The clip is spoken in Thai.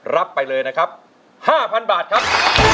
รับไปเลยนะครับ๕๐๐๐บาทครับ